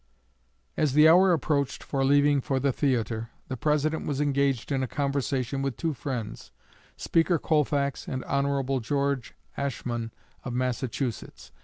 As the hour approached for leaving for the theatre, the President was engaged in a conversation with two friends Speaker Colfax and Hon. George Ashmun of Massachusetts.